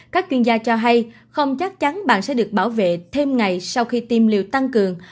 các chuyên gia cho hay không chắc chắn bạn sẽ được bảo vệ thêm ngày sau khi tiêm liều tăng cường